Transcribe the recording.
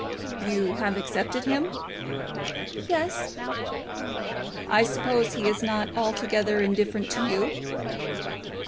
"You have accepted him?" "Yes." "I suppose he is not altogether indifferent to you?"